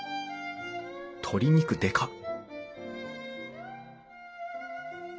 鶏肉でかっ！